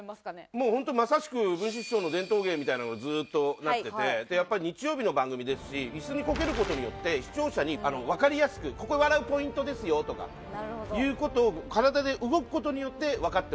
もう本当まさしく文枝師匠の伝統芸みたいなのがずっとなっててやっぱり日曜日の番組ですし椅子にコケる事によって視聴者にわかりやすく「ここ笑うポイントですよ！」とかっていう事を体で動く事によってわかってもらえますよね。